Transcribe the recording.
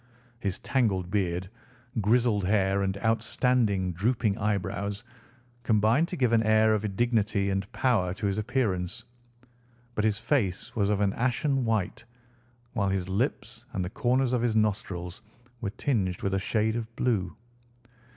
His tangled beard, grizzled hair, and outstanding, drooping eyebrows combined to give an air of dignity and power to his appearance, but his face was of an ashen white, while his lips and the corners of his nostrils were tinged with a shade of blue.